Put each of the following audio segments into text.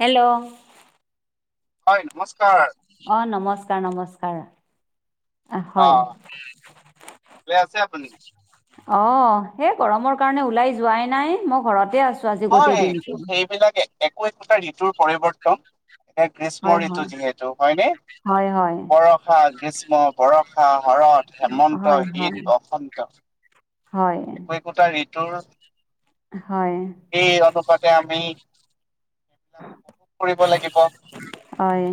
Hello? হয়, নমস্কাৰ। অ'! নমস্কাৰ, নমস্কাৰ। অ'! হয়। আহ ভালে আছে আপুনি [unintelligible] অ'! সেই গৰমৰ কাৰণে, ওলাই যোৱাই নাই। মই ঘৰতে আছোঁ। হয়! সেইবিলাকে, একো একোটা ঋতুৰ পৰিৱৰ্তন। এতিয়া, হয় গ্ৰীষ্ম ঋতু হয় যিহেতু, হয়নে? হয় হয় বৰষা, গ্ৰীষ্ম, বৰষা, হৰৎ, হেমন্ত, হয় শীত, হয় বসন্ত। হয়! একো একোটা ঋতুৰ হয়! সেই, অনুপাতে আমি, এইবিলাক উপভোগ কৰিব লাগিব। হয়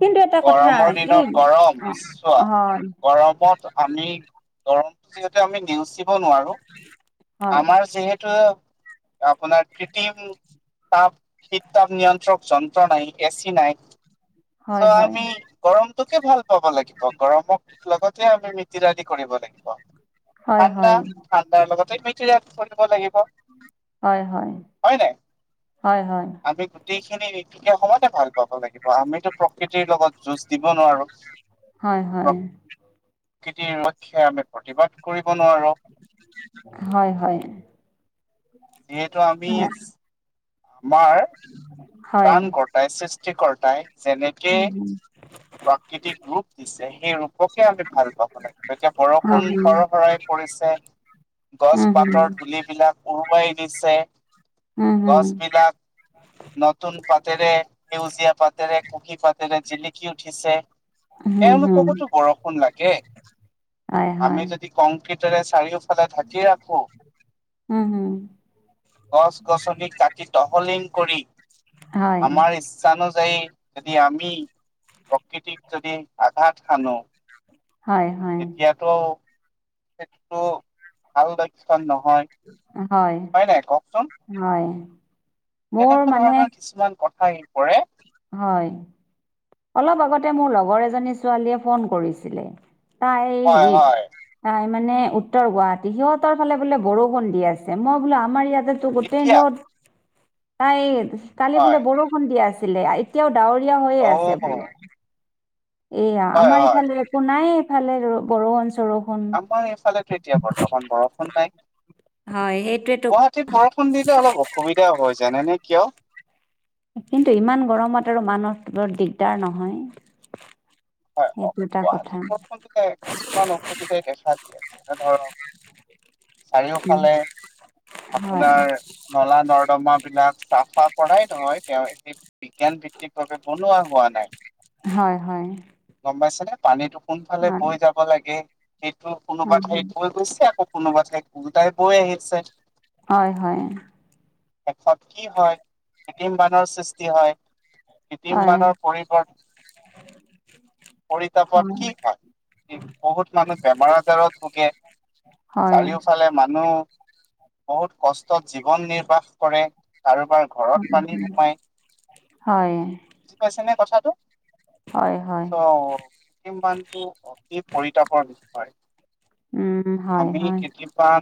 কিন্তু এটা কথা গৰমৰ এই দিনত গৰম! চোৱা? অ, গৰমত আমি, গৰমটো যিহেতু, আমি নেওচিব নোৱাৰোঁ। হয় আমাৰ যিহেতু, আপোনাৰ কৃটিম তাপ, শীত-তাপ নিয়ন্ত্ৰক যন্ত্ৰ নাই, এ চি নাই। হয় চ' হয় আমি, গৰমটোকে ভাল পাব লাগিব! গৰমক লগতে, আমি মিতিৰালি কৰিব লাগিব। হয় হয় ঠাণ্ডা, হয় ঠাণ্ডাৰ লগতে মিতিৰাপ কৰিব লাগিব। হয়, হয়! হয় নাই? হয় হয় আমি, গোটেইখিনি ঋতুকে, [unintelligible] ভাল পাব লাগিব! আমিতো প্ৰকৃতিৰ লগত যুঁজ দিব নোৱাৰোঁ। হয়, হয়! প্ৰকৃতিৰ পক্ষে আমি, প্ৰতিবাদ কৰিব নোৱাৰোঁ। হয়, হয়! যিহেতু আমি, আমাৰ হয় হয় প্ৰান কৰ্তাই, সৃষ্টি কৰ্তাই যেনেকে, উম প্ৰাকৃতিক ৰূপ দিছে, সেই ৰূপকে আমি ভাল পাব লাগে। গতিকে, বৰষুণ হুম সৰ-সৰাই পৰিছে, উম হুম উম গছ-পাতৰ ধূলিবিলাক উৰুৱাই দিছে। হুম উম গছ হুম বিলাক নতুন পাতেৰে, সেউজীয়া পাতেৰে, কুঁহি পাতেৰে, জিলিকি উঠিছে। উম হুম এওঁলোককোতো বৰষুণ লাগে। হয় হয় আমি, যদি কংক্ৰিটৰে চাৰিও ফালে ঢাকি ৰাখো। উম, হুম, গছ গছনি কাটি তহলিং কৰি হয়, আমাৰ- ইচ্ছানুযায়ী যদি আমি- প্ৰকৃতিক যদি আঘাত সানো- হয়, হয়। অঁ। সেইটোটো ভাল লক্ষণ নহয়। হয়, নাই কওকচোন হয়। মোৰ এনেকুৱা মানে ধৰণৰ কিছুমান কথা আহি পৰে। হয় অলপ আগতে মোৰ লগৰ এজনী ছোৱালীয়ে ফোন কৰিছিলে। তাই হয় হেৰি- হয় তাই মানে উত্তৰ গুৱাহাটীৰ, সিহঁতৰ ফালে বোলে বৰষুণ দি আছে। মই বোলো আমাৰ ইয়াতে- গোটেই এতিয়া ৰদ, তাই কালি হয় বোলে বৰষুণ দিয়া আছিলে। এতিয়াও ডাৱৰীয়া হৈয়ে অ আছে বোলে। এইয়া হয় আমাৰ হয় এইফালে একো নাই এইফালে বৰষুণ চৰষুণ। আমাৰ এইফালেতো এতিয়া বৰ্তমান বৰষুণ নাই। হয় সেইটোৱেটো। গুৱাহাটীত বৰষুণ দিলে অলপ অসুবিধা হয়, জানে নে কিয়? কিন্তু ইমান গৰমত আৰু মানুহৰ ত দিগদাৰ নহয়। হয়, সেই দুটা কথা গুৱাহাটীত বৰষুণ দিলে কিছুমান অসুবিধাই দেখা দিয়ে। যেনে ধৰক- উম চাৰিওফালে হয় আপোনাৰ- নলা নৰ্দমা বিলাক চাফা কৰাই নহয় তেওঁ সেই- বিজ্ঞান ভিত্তিকভাৱে বনোৱা হোৱা নাই। হয়, হয়। গম পাইছে নে পানীতটো কোনফালে বৈ হয় যাব লাগে। সেইটো কোনোবা উম হুম ঠাইত কৈ গৈছে আকৌ কোনোবা ঠাইত গোটাই বৈ আহিছে। হয়, হয়। শেষত কি হয় কৃত্ৰিম বানৰ সৃষ্টি হয়, কৃত্ৰিম হয় বানৰ পৰিৱৰ্ত- [inaudible] পৰিতাপত হয় কি হয়, বহুত মানুহ বেমাৰ আজাৰত ভোগে। হয় চাৰিওফালে মানুহ। বহুত কষ্টত জীৱন নিৰ্বাহ কৰে, কাৰোবাৰ- উম ঘৰত পানী উম সোমাই হয় বুজি পাইছে নে কথাটো। হয় হয় অঁ কৃত্ৰিম বান্ধটো অতি পৰিতাপৰ বিষয়। উম হয় আমি হয় কেতিয়াবা-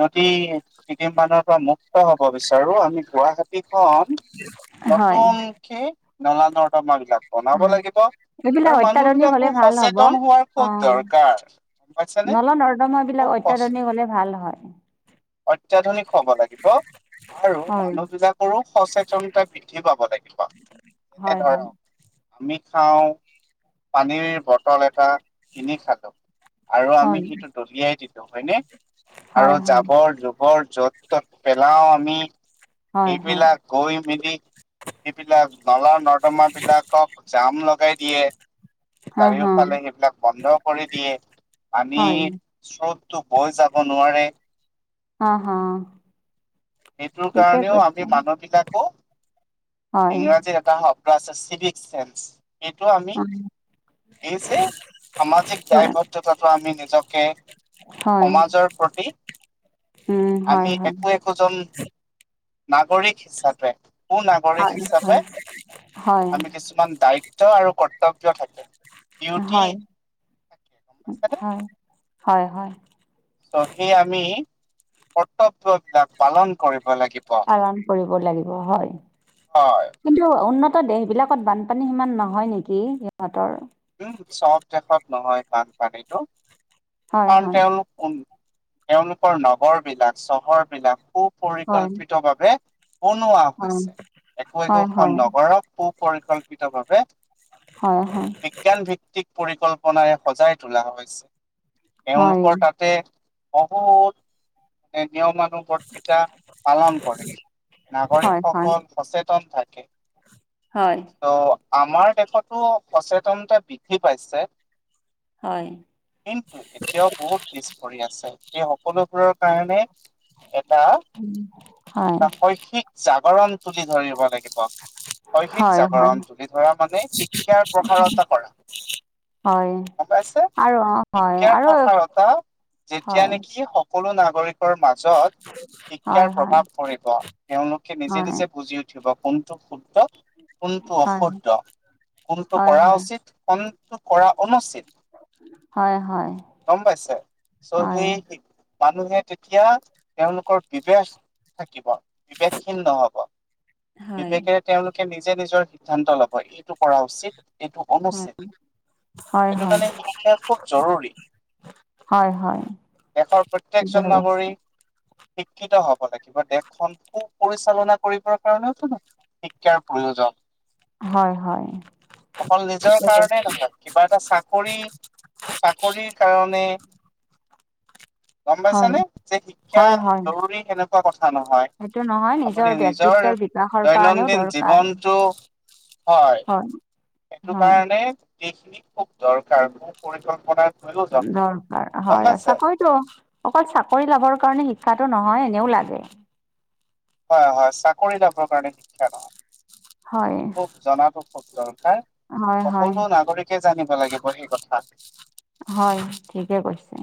নদী- কৃত্ৰিম বানৰ পৰা মুক্ত হব বিচাৰো। আমি গুৱাহাটীখন হয় নতুন- সেই নলা নৰ্দমা বিলাক- বনাব হয় লাগিব এইবিলাক আৰু মানুহ অত্যাধুনিক হ'লে বিলাকো ভাল হ'ব সচেতন হোৱাৰ খুব দৰকাৰ। গম পাইছানে নল নৰ্দমা বিলাক খুব অত্যাধুনিক হলে ভাল হয়। অত্যাধুনিক হ'ব লাগে। আৰু হয় মানুহবিলাকৰো সচেতনতা বৃদ্ধি পাব লাগিব। যেনে হয়, ধৰক হয়। আমি খাওঁ পানীৰ বটল এটা। কিনি খালো আৰু আমি সেইটো দলিয়াই দিলো হয়নে হয় আৰু যাম। হয় জাবৰ-জোঁৱৰ য'ত ত'ত পেলাও আমি, হয় হয় হয় সেইবিলাক গৈ মেলি সেবিলাক নলা-নৰ্দমা বিলাকক জাম লগাই দিয়ে হা হা চাৰিওফালে সেইবিলাক বন্ধ কৰি দিয়ে। আমি হয় চবটো বৈ যাব নোৱাৰে হা' হা' সেইটোৰ ঠিকে কাৰণেও কৈছে আমি মানুহবিলাকো, হয় ইংৰাজত এটা শব্দ আছে চিভিক চেন্স এইটো আমি এই যে, সামাজিক হয় দায়বদ্ধতাটো আমি নিজকে হয় সমাজৰ প্ৰতি উম' হয়। আমি হয়, একো একোজন নাগৰিক হিচাপে সু নাগৰিক হয়, হিচাপে হয়, হয়, আমি কিছুমান দায়িত্ব আৰু কৰ্তব্য থাকে ডিউটি হয়, থাকে গম পাইছানে হয়, হয়-হয় চবে আমি, কৰ্তব্য বিলাক পালন কৰিব লাগিব। পালন কৰিব লাগিব হয় কিন্তু উন্নত দেশ বিলাকত বানপানী সিমান নহয় নেকি? সিহঁতৰ উম, চব দেশত নহয় বানপানীটো হয়, কাৰণ হয়, তেওঁলোক উ, তেওঁলোকৰ নগৰ বিলাক চহৰ বিলাক খুব হয়, পৰিকল্পিতভাৱে বনোৱা হয়, হৈছে একো হয়, হয়, একোখন নগৰক সুপৰিকল্পিত ভাৱে হয় হয় বিজ্ঞান ভিত্তিক পৰিকল্পনাৰে সজাই তোলা হৈছে হয়, এওঁলোকৰ তাতে বহুত, নিয়ম মানু বৰ্তিতা পালন কৰে। হয়, হয়, নাগৰিকসকল সচেতন থাকে হয় অ' আমাৰ দেশতো সচেতনতা বৃদ্ধি পাইছে। হয়, কিন্তু এতিয়াও বহুত পিছ পৰি আছে, সেই সকলোবোৰৰ কাৰণে এটা শ-শৈক্ষিক জাগৰণ তুলি ধৰিব লাগিব শৈক্ষিক হয়, হয়, জাগৰণ তুলি ধৰা মানে শিক্ষাৰ প্ৰসাৰতা জাগৰণ হয়, গম পাইছে, আৰু অ', হয়, শিক্ষাৰ আৰু হয়, প্ৰসাৰতা যেতিয়া হয়, নেকি সকলো নাগৰিকৰ মাজত হয়, শিক্ষাৰ হয়, প্ৰভাৱ পৰিব। তেওঁলোকে নিজে হয়, নিজে বুজি উঠ উঠিব কোনটো শুদ্ধ, কোনটো হয়, অশুদ্ধ, কোনটো হয়, হয়, কৰা হয়, উচিত কোনটো কৰা অনুচিত হয়। গম পাইছে, চ' হয়, সেই মানুহে তেতিয়া তেওঁলোকৰ বিবেচ থাকিব। বিবেকহীন নহব। হয়, বিবেকেৰে তেওঁলোকে নিজে নিজৰ সিদ্ধান্ত ল'ব এইটো কৰা উচিত। এইটো অনুচিত, হয়, সেইটো হয়। কাৰণে শিক্ষা খুব জৰুৰী হয় হয় দেশৰ ঠিকে প্ৰত্যেকজন কৈছে নাগৰিক শিক্ষিত হব লাগিব দেশখন সু পৰিচালনা কৰিবৰ কাৰণেইতো নহ শিক্ষাৰ প্ৰয়োজন। হয় হয় অকল নিজৰ ঠিকে কৈছে। কাৰণেই নহয় কিবা এটা চাকৰি, চাকৰিৰ কাৰণে গম পাইছ হয় নে, যে শিক্ষা হয় হয় জৰুৰী সেনেকুৱা কথা নহয় সেইটো নহয়, নিজৰ ব্যাক্তিত্বৰ বিকাশৰ কাৰণেও দৈনন্দিন ধৰক। জীৱনটো হয়। হয় সেইটো হয় কাৰণে এইখিনি খুব দৰকাৰ সুপৰিকল্পনা, দৰকাৰ হয়, চাকৰি টো, অকল চাকৰি লাভৰ কাৰণে শিক্ষাটো নহয় এনেও লাগে। হয় হয় চাকৰি লাভৰ কাৰণে শিক্ষা নহয়। হয় খুব জনাটো খুব দৰকাৰ। হয় হয় সকলো নাগৰিকে জানিব লাগিব সেই কথা। হয় ঠিকে কৈছে।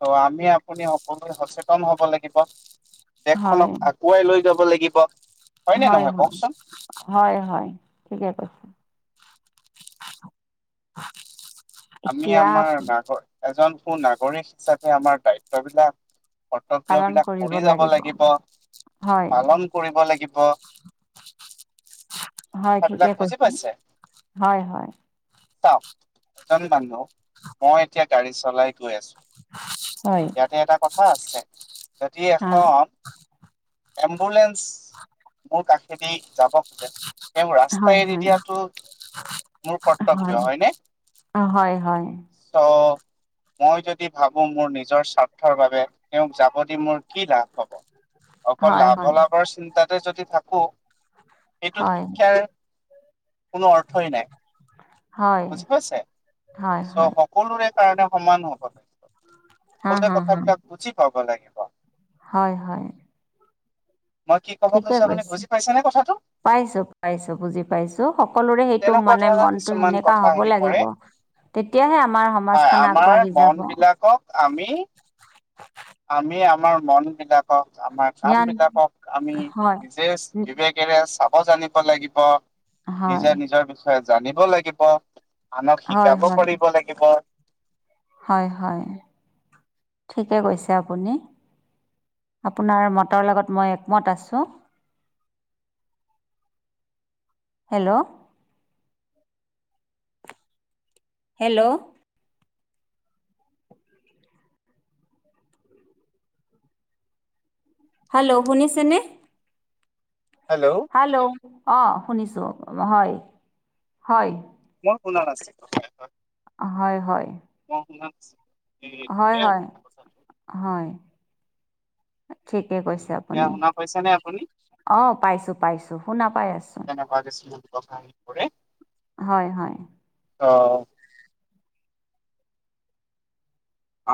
ত' আমি আপুনি সকলোৱে সচেতন হব লাগিব হয় দেশখনক আগ, গুৱাই লৈ যাব লাগিব। নে হয় নহয় হয়, কওকচোন? হয় হয় ঠিকে কৈছে। [unintelligible] আমি এতিয়া আমাৰ নাগ এজন সু নাগৰিক হিচাপে আমাৰ দায়িত্ববিলাক। কৰ্তব্য পালন বিলাক কৰিব কৰি যাব লাগিব হয় পালন কৰিব লাগিব। হয় ঠিকে কথাবিলাক বুজি কৈছে, পাইছে? হয় হয়। চাওক, এজন মানুহ, মই এতিয়া গাড়ী চলাই গৈ আছো। হয়। ইয়াতে এটা কথা আছে যদি অ এখন, এম্বুলেঞ্চ মোৰ কাষেদি যাব খোজে। এই মোৰ হয় ৰাস্তাই এৰি হয় দিয়াটো মোৰ হয় কৰ্তব্য হয়নে? অ', হয় হয়। ত' মই যদি ভাবো মোৰ নিজৰ স্বাৰ্থৰ বাবে, তেওঁক যাব দি মোৰ কি লাভ হব। অকল হয়, লাভ হয়, লাভৰ চিন্তাতে যদি থাকো, এইটো হয়, শিক্ষাৰ কোনো অৰ্থই নাই, হয়, বুজি পাইছে? হয়, চ' হয়, সকলোৰে কাৰণে সমান হব লাগিব, হা, সকলোৱে হা, হা, কথাবলাক বুজি পাব লাগিব। হয় হয়। মই কি কব খুজছো আপুনি বুজি পাইছে নে কথাটো? পাইছো পাইছো বুজি পাইছো, সকলোৰে সেইটো তেনেকুৱা মানে ধৰণৰ মনতটো কিছুমান সেনেকা কথা হব আহি পৰে লাগিব। তেতিয়াহে আমাৰ হয় সমাজখন আমাৰ আগবাঢ়ি মন যাব। বিলাকক আমি, আমি আমাৰ মন বিলাকক আমাৰ কাম জ্ঞান বিলাকক আমি, হয়। নিজে উম, বিবেকেৰে চাব জানিব লাগিব হয়, নিজে নিজৰ বিষয়ে, জানিব লাগিব আনক হয়, শিকাব হয়, পাৰিব লাগিব। হয় হয় ঠিকে কৈছে আপুনি। আপোনাৰ মতৰ লগত মই একমত আছোঁ। হেল্ল'। হেল্ল'। হেল্ল' শুনিছেনে? হেল্ল'। হেল্ল' অঁ শুনিছোঁ হয় হয়। মই শুনা নাছিলো। হয় হয়। কচ মাছ হয় হয় হয় ঠিকে কৈছে আপুনি শুনা পাইছে নে আপুনি? অ পাইছো পাইছো শুনা পাই আছো [unintelligible] হয় হয়। অ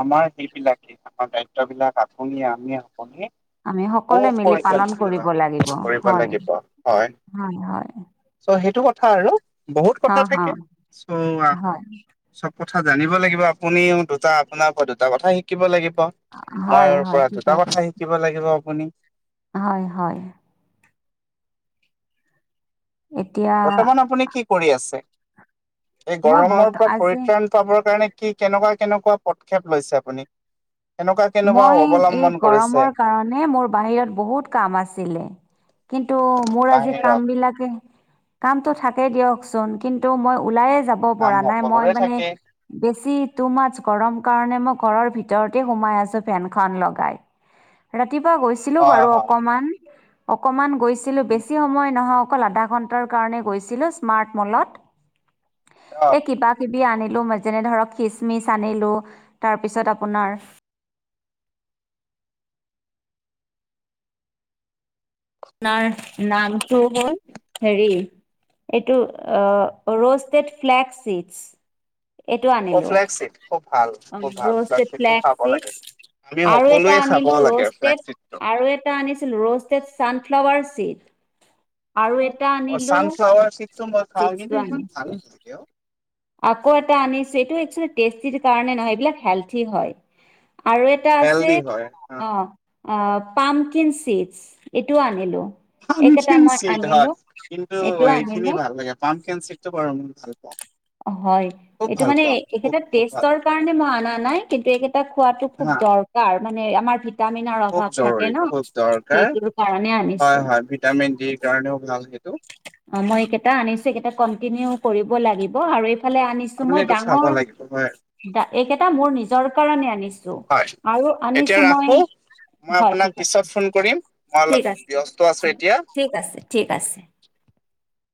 আমাৰ সেইবিলাকে আমাৰ দায়িত্ববিলাক আপুনিয়ে আমিয়ে সকলোৱে আমি সকলোৱে মিলি পালন উপযোগী কৰিব লাগিব। কৰিব হয়, লাগিব হয়। হয়, হয়, চ' সেইটো কথা আৰু বহুত হা, কথা হা, থাকে চ আহ হয়, চব কথা জানিব লাগিব আপুনিও দুটা আপোনাৰ পৰা দুটা কথা শিকিব লাগিব। হয়, মোৰ হয়, পৰা ঠিকে দুটা কথা কৈছে। শিকিব লাগিব আপুনি। হয় হয়। এতিয়া বৰ্তমান আপুনি কি কৰি আছে এই মই গৰমৰ বৰ্ত পৰা আজি পৰিত্ৰাণ পাবৰ কাৰণে কি কেনেকুৱা কেনেকুৱা পদক্ষেপ লৈছে আপুনি। কেনেকুৱা কেনেকুৱা মই এই অৱলম্বন কৰিছে গৰমৰ কাৰণে মোৰ বাহিৰত বহুত কাম আছিলে। কিন্তু মোৰ আজি বাহিৰত কাম বিলাকে কামটো থাকেই দিয়কচোন কিন্তু মই ওলাইয়ে যাব কাম পৰা নাই মই সকলোৰে মানে। থাকে বেছি টো মানছ গৰম কাৰণে মই ঘৰৰ ভিতৰতে সোমাই আছো। ত ফেনখন লগাই ৰাতিপুৱা গৈছিলো হয় বাৰু হয় অকমান অকমান গৈছি গৈছিলো বেছি সময় নহয় অকল আধা ঘণ্টা কাৰণে গৈছিলো স্মাট মলত। এই কিবা কিবি আনিলো যেনে ধৰক খিচমিচ আনিলো তাৰ পিছত আপোনাৰ আপোনাৰ নামটো হ'ল হেৰি এইটো অ ৰুষ্টেড ফ্লেকচ চিডছ এইটো অ আনিলো ফ্লেগশ্বিপ খুব ভাল খুব ভাল ৰুষ্টেড ফ্লেগশ্বিপটো ফ্লেকচ খাব লাগে। চিডছ আমি আৰু এটা সকলোৱে খাব আনিলো লাগে ৰুষ্টপেড ফ্লেগশ্বিপটো। আৰু এটা এটা আনিছিলো ৰুষ্টেড চানফ্লাৱাৰ চিডছ অ চান ফ্লাৱাৰ চিদটো মই খাও চিপছটো কিন্ত ইমান আনিছো ভাল নাথাকে অ আকৌ এটা আনিছো এইটো এক্সোৱেলি টেষ্টিৰ কাৰণে নহয় এইবিলাক হেল্ডী হয় আৰু আৰু এটা আছে হেল্ডি হয় অ অ পামকিন চিপচ এইটোও আনিলো এইকেইটা পামকিন মই চিট হয় আনিলো কিন্তু এইটো এইখিনি আনিলো ভাল লাগে পামকিন চিট এইটো বাৰু মই ভাল পাওঁ হয় খুব এইটো ভাল মানে পাওঁ খুব একেটা খুব ভাল টেষ্টৰ পাওঁ কাৰণে মই অনা নাই কিন্তু এটা খোৱাটো খুব হা দৰকাৰ মানে আমাৰ ভি ভিটামিনৰ খুব অভাৱ থাকে জৰুৰী ন খুব দৰকাৰ সেইটোৰ কাৰণে হয় আনিছো। হয় ভিটামিন ডিৰ কাৰণেও ভাল সেইটো। অ মই এইকেইটা আনিছো এইকেইটা কন্টিনিউ কৰিব লাগিব আৰু এইফালে আনিছো আপুনি এইটো চাব লাগিব হয় এইকেইটা এইকেইটা মোৰ নিজৰ কাৰণে আনিছো হয় আৰু এতিয়া আনিছো ৰাখো মই মই হয় আপোনাক ঠিক আছে পিছত ফোন কৰিম মই ঠিক অলপ আছে ব্যস্ত আছো ঠিক এতিয়া ঠিক আছে ঠিক আছে